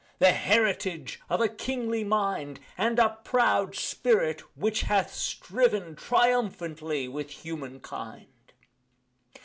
The heritage of a kingly mind, And a proud spirit which hath striven Triumphantly with human kind.